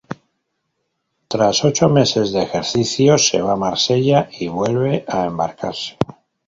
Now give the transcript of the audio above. Tras ocho meses de ejercicio, se va a Marsella y vuelve a embarcarse.